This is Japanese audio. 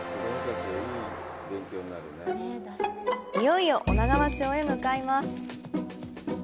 いよいよ女川町へ向かいます！